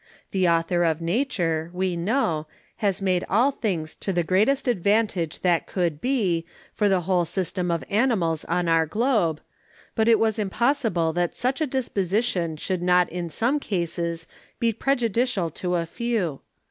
The Author of Nature, we know, has made all things to the greatest Advantage that could be, for the whole System of Animals on our Globe, but it was impossible that such a disposition shou'd not in some Cases be prejudicial to a Few.